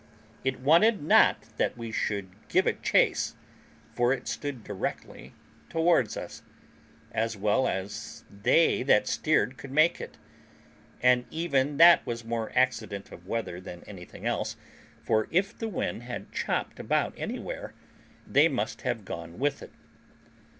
It wanted not that we should give it chase, for it stood directly towards us, as well as they that steered could make it; and even that was more accident of weather than anything else, for if the wind had chopped about anywhere they must have gone with it.